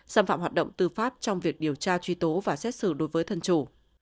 xâm phạm hoạt động tư pháp trong việc điều tra truy tố và xét xử đối với thân chủ